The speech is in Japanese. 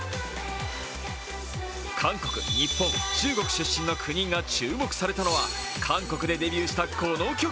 韓国、日本、中国出身の９人が注目されたのは韓国でデビューしたこの曲。